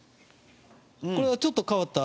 これはちょっと変わった。